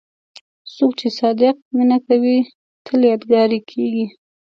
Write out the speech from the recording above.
څوک چې صادق مینه کوي، تل یادګاري کېږي.